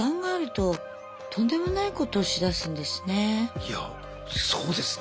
いやそうですね。